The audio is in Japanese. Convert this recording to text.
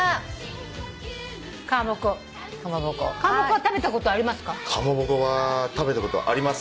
かまぼこは食べたことあります。